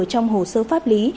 trong hồ sơ pháp lý